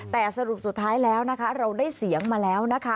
แต่สรุปสุดท้ายแล้วนะคะเราได้เสียงมาแล้วนะคะ